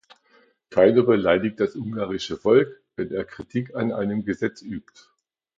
Keiner beleidigt das ungarische Volk, wenn er Kritik an einem Gesetz übt.